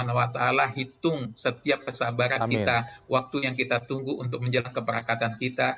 hitung setiap kesabaran kita waktu yang kita tunggu untuk menjelang keberangkatan kita